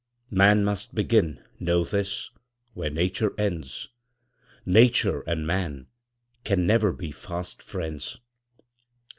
Man must begin, know this, where Nature ends; Nature and man can never be fast friends.